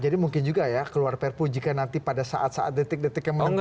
jadi mungkin juga ya keluar prpu jika nanti pada saat saat detik detik yang mungkin